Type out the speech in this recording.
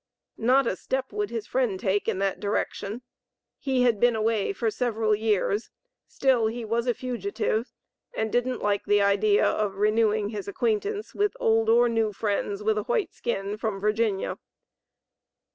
Not a step would his friend take in that direction. He had been away for several years, still he was a fugitive, and didn't like the idea of renewing his acquaintance with old or new friends with a white skin from Virginia.